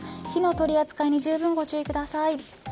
火の取り扱いにじゅうぶんご注意ください。